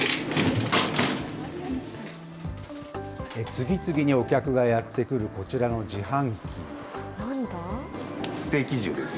次々にお客がやって来るこちらのなんだ？